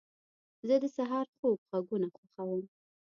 زه د سهار خوږ غږونه خوښوم.